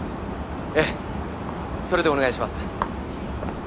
ええそれでお願いします。